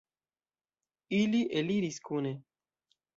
Ili eliris kune.